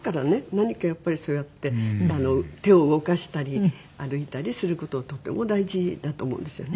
何かやっぱりそうやって手を動かしたり歩いたりする事はとても大事だと思うんですよね。